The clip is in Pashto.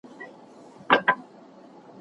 که هر څوک خپله لاره ونیسي نو شخړي کمیږي.